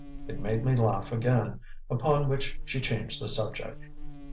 It made me laugh again, upon which she changed the subject.